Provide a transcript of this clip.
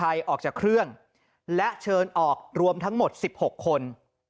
เชิญคนไทยออกจากเครื่องและเชิญออกรวมทั้งหมดสิบหกคน